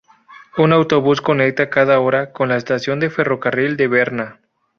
Un autobús conecta cada hora con la estación de ferrocarril de Berna.